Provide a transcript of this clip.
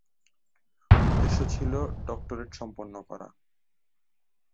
উদ্দেশ্য ছিল ডক্টরেট সম্পন্ন করা।